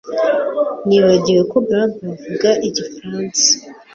Nibagiwe ko Barbara avuga igifaransa